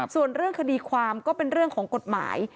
ส่วนเรื่องคดีความก็เป็นเรื่องของกฎหมาย